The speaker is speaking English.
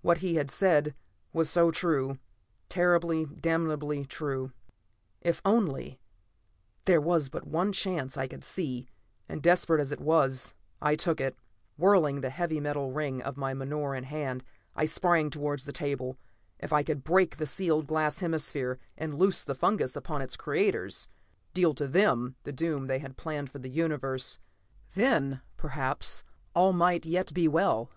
What he had said was so true; terribly, damnably true. If only There was but one chance I could see, and desperate as it was, I took it. Whirling the heavy metal ring of my menore in my hand, I sprang towards the table. If I could break the sealed glass hemisphere, and loose the fungus upon its creators; deal to them the doom they had planned for the universe, then perhaps all might yet be well.